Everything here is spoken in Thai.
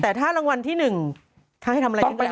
แต่ถ้าใส่ที่สามารถคุณต้องไปรับจุดนายอย่างทรากิจ